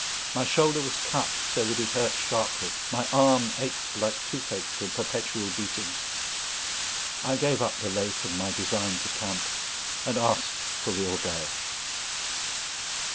My shoulder was cut, so that it hurt sharply; my arm ached like tooth ache from perpetual beating; I gave up the lake and my design to camp, and asked for the auberge.